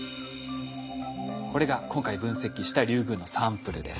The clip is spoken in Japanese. これが今回分析したリュウグウのサンプルです。